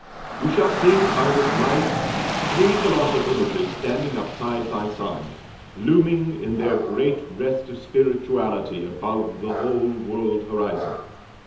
"We shall see by this light three colossal images standing up side by side, looming in their great rest of spirituality above the whole world horizon.